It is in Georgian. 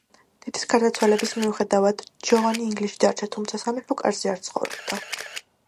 დედის გარდაცვალების მიუხედავად ჯოანი ინგლისში დარჩა, თუმცა სამეფო კარზე არ ცხოვრობდა.